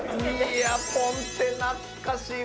いやポンテ懐かしい。